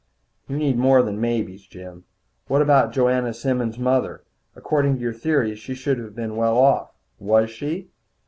"You need more than maybes, Jim. What about Joanna Simmons' mother? According to your theories she should have been well off. Was she?"